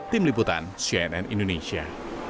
tim liputan cnn indonesia